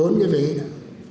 bốn cái vấn đề đó